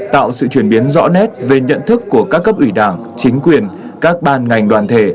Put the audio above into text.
tạo sự chuyển biến rõ nét về nhận thức của các cấp ủy đảng chính quyền các ban ngành đoàn thể